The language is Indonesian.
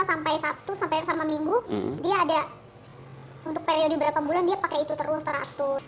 sampai sabtu sampai sama minggu dia ada untuk periode berapa bulan dia pakai itu terus teratur